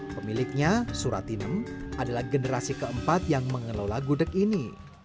pemiliknya suratinem adalah generasi keempat yang mengelola gudeg ini